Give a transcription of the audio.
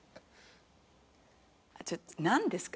ちょっとなんですか？